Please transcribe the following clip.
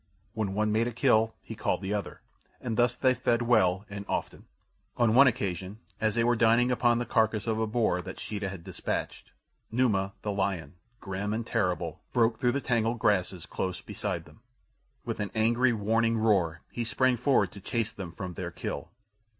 When one made a kill he called the other, and thus they fed well and often. On one occasion as they were dining upon the carcass of a boar that Sheeta had dispatched, Numa, the lion, grim and terrible, broke through the tangled grasses close beside them. With an angry, warning roar he sprang forward to chase them from their kill.